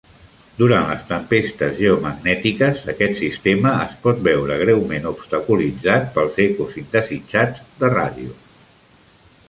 Durant les tempestes geomagnètiques, aquest sistema es pot veure greument obstaculitzat pels ecos indesitjats de ràdio.